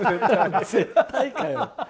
絶対かよ。